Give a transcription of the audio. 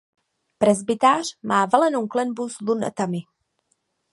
Presbytář má valenou klenbu s lunetami.